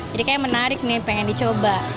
jadi kayak menarik nih pengen dicoba